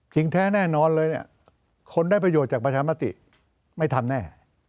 จริงแท้แน่นอนเลยคนได้ประโยชน์จากปัชภาษีไม่ทำแน่